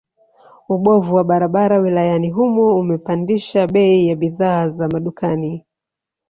Ubovu wa barabara wilayani humo umepandisha bei ya bidhaa za madukani